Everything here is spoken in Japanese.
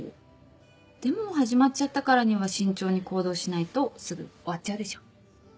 でも始まっちゃったからには慎重に行動しないとすぐ終わっちゃうでしょ？